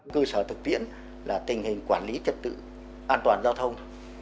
cơ sở thực tiễn là tình hình quản lý trật tự an toàn giao thông